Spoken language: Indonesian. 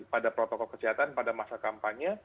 pada protokol kesehatan pada masa kampanye